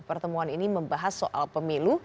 pertemuan ini membahas soal pemilu